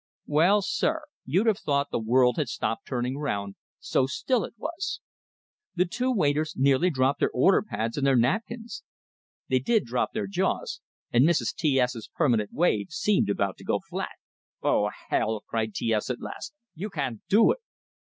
Well, sir, you'd have thought the world had stopped turning round, so still it was. The two waiters nearly dropped their order pads and their napkins; they did drop their jaws, and Mrs. T S's permanent wave seemed about to go flat. "Oh, hell!" cried T S at last. "You can't do it!"